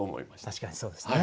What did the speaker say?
確かにそうですね。